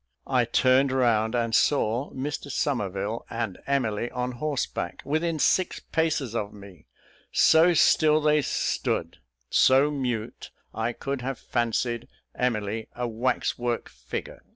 I turned round, and saw Mr Somerville and Emily on horseback, within six paces of me; so still they stood, so mute, I could have fancied Emily a wax work figure.